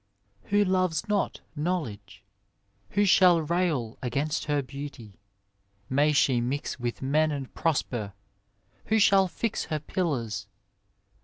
Who loves not knowledge ? Who shall rail Against her beaaty ? May she mix With men and prosper ! Who shall fix Her pillars